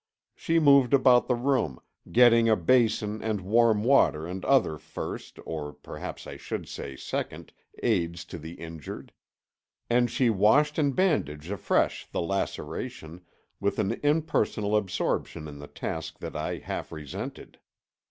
She moved about the room, getting a basin and warm water and other first, or perhaps I should say second, aids to the injured. And she washed and bandaged afresh the laceration, with an impersonal absorption in the task that I half resented.